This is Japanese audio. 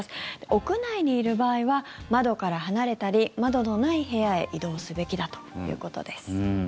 屋内にいる場合は窓から離れたり窓のない部屋へ移動すべきだということです。